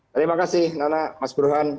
terima kasih nana mas burhan